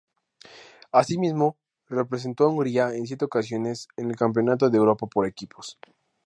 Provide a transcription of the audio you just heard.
Asimismo, representó a Hungría en siete ocasiones en el Campeonato de Europa por Equipos.